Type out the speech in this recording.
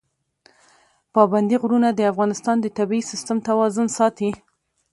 پابندي غرونه د افغانستان د طبعي سیسټم توازن ساتي.